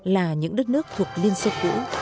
là những đất nước thuộc liên xê cũ